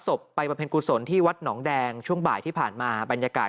ไปประเภนกุศลที่วัดหนองแดงช่วงบ่ายที่ผ่านมาบรรยากาศ